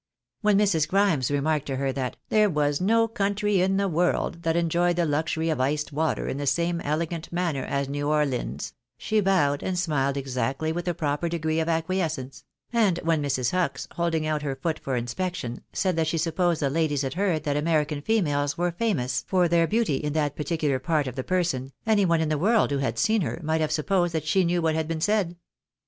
When Mrs. Grimes remarked to her that " there was no country in the world that enjoyed the luxury of iced water in the same elegant maimer as New OrUnes," she bowed and smiled exactly with a proper degree of acquiescence ; and when Mrs. Hucks, holding out her foot for inspection, said that she supposed the ladies had heard that American females were famous for their beauty in that parti cular part of the person, any one in the world who had seen her, might have supposed that she knew what had been said.